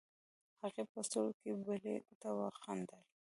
هغې په سترګو کې بلې ته وخندلې.